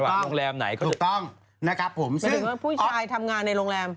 ถูกต้องถูกต้องนะครับผมซึ่งไม่รู้ว่าผู้ชายทำงานในโรงแรม